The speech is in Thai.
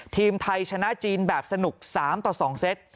ทีมไทยชนะจีนแบบสนุก๓ต่อ๒เซต